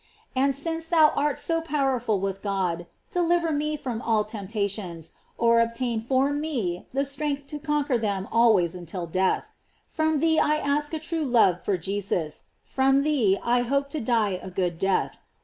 And since thou art so powerful with God, deliver me from all temptations, or obtain for me the strength 334 GLORIES OF MART. to conquer them always until death. From theelask a true love for Jesus; from thee I hope to die a good death.